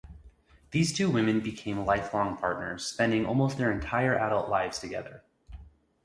These two women become lifelong partners, spending almost their entire adult lives together.